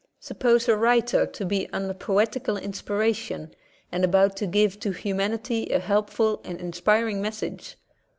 Sup pose a writer to be under poetical inspiration, and about to give to humanity a helpful and inspiring message.